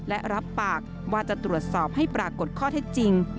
และรับปากว่าจะตรวจสอบให้ปรากฏข้อเท็จจริง